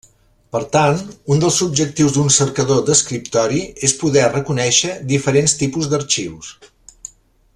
Per tant, un dels objectius d'un cercador d'escriptori és poder reconèixer diferents tipus d'arxius.